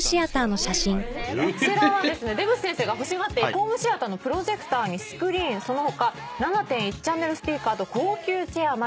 出口先生が欲しがっていたホームシアターのプロジェクターにスクリーンその他７．１チャンネルスピーカーと高級チェアまで。